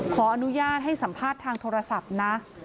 ขออนุญาตให้สัมภาษณ์ทางโทรศัพท์นะ